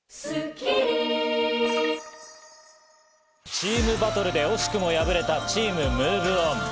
チームバトルで惜しくも敗れた、チームＭｏｖｅＯｎ。